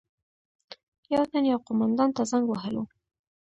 یو تن یو قومندان ته زنګ وهلو.